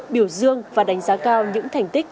biểu dương và đánh giá cao những thành tích